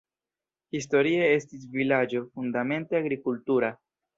Historie estis vilaĝo fundamente agrikultura.